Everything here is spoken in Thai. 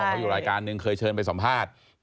เขาอยู่รายการนึงเคยเชิญไปสัมภาษณ์